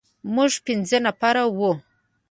موږ پنځه نفر وو.